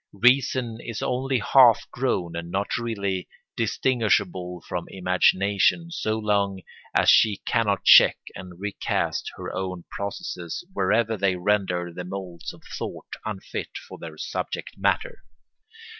Reason is only half grown and not really distinguishable from imagination so long as she cannot check and recast her own processes wherever they render the moulds of thought unfit for their subject matter.